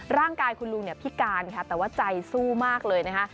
ร่างกายคุณลุงเนี่ยพิการค่ะแต่ว่าใจสู้มากเลยนะคะ